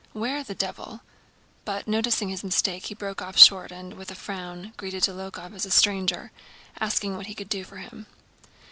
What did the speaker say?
"Where the devil...?" But, noticing his mistake, he broke off short and, with a frown, greeted Dólokhov as a stranger, asking what he could do for him.